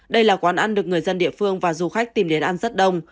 đây là quán ăn được người dân địa phương và du khách tìm đến ăn rất đông